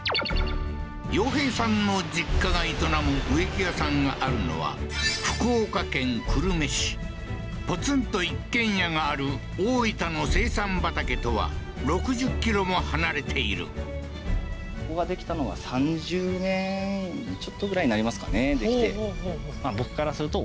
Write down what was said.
陽平さんの実家が営む植木屋さんがあるのは福岡県久留米市ポツンと一軒家がある大分の生産畑とは６０ｋｍも離れているここが出来たのが３０年ちょっとぐらいになりますかね